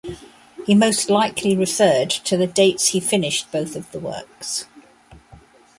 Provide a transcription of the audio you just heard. He most likely referred to the dates he finished both of the works.